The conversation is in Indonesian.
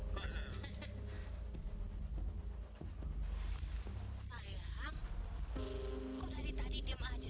baru kamu tinggal di rumah itu